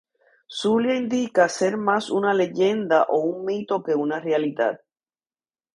Zulia indica ser más una leyenda o un mito que una realidad.